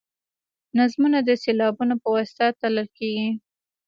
نظمونه د سېلابونو په واسطه تلل کیږي.